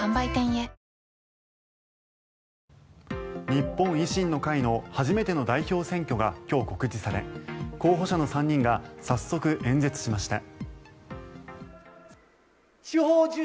日本維新の会の初めての代表選挙が今日告示され候補者の３人が早速、演説しました。